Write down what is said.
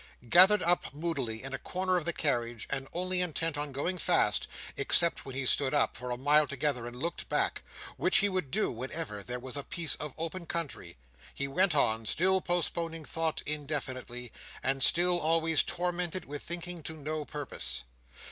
Gathered up moodily in a corner of the carriage, and only intent on going fast—except when he stood up, for a mile together, and looked back; which he would do whenever there was a piece of open country—he went on, still postponing thought indefinitely, and still always tormented with thinking to no purpose.